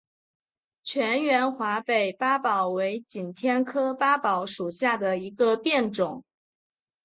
全缘华北八宝为景天科八宝属下的一个变种。